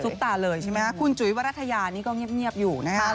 ตาเลยใช่ไหมคุณจุ๋ยวรัฐยานี่ก็เงียบอยู่นะครับ